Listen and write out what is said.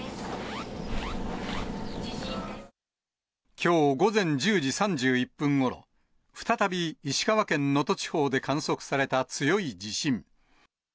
きょう午前１０時３１分ごろ、再び石川県能登地方で観測された強い地震。